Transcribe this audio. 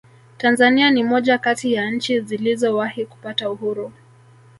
tanzania ni moja kati ya nchi zilizowahi kupata uhuru